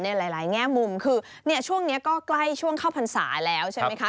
หลายแง่มุมคือช่วงนี้ก็ใกล้ช่วงเข้าพรรษาแล้วใช่ไหมคะ